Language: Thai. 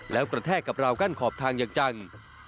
แล้วกระแทกกับราวกั้นขอบทางอย่างจัง